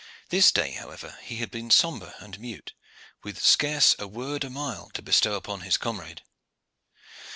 This day, however, he had been sombre and mute, with scarce a word a mile to bestow upon his comrade.